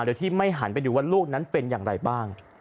โดยที่ไม่หันไปดูว่าลูกนั้นเป็นอย่างไรบ้าง